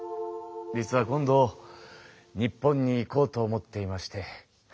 実は今度日本に行こうと思っていまして。